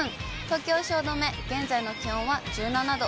東京・汐留、現在の気温は１７度。